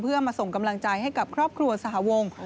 เพื่อมาส่งกำลังใจให้กับครอบครัวสหวง